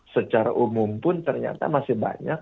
secara umum pun ternyata masih banyak